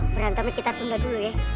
berantemnya kita tunda dulu ya